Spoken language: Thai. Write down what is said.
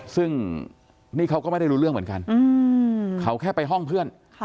ซึ่งนี่เขาก็ไม่ได้รู้เรื่องเหมือนกันเขาแค่ไปห้องเพื่อน